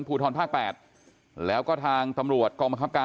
ภูทรภาค๘แล้วก็ทางตำรวจกองบังคับการ